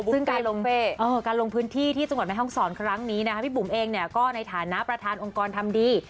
ซึ่งการลงพื้นที่ที่จังหวัดแม่ห้องศรครั้งนี้นะคะพี่บุ๋มเองก็ในฐานะประธานองค์กรทำดี